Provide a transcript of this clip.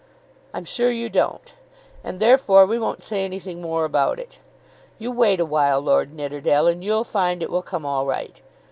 "I'm sure you don't, and, therefore, we won't say anything more about it. You wait awhile, Lord Nidderdale, and you'll find it will come all right.